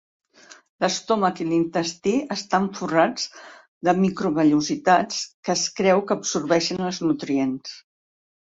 L'estómac i l'intestí estan forrats de microvellositats, que es creu que absorbeixen els nutrients.